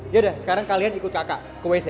yaudah sekarang kalian ikut kakak ke wc